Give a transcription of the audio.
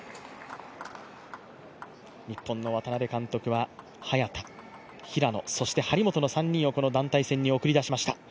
日本の渡辺監督は早田、平野、そして張本の３人をこの団体戦に送り込みました。